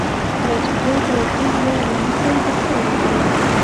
کله چي پیاز راټول یا رانیسئ ، دا کار وکړئ: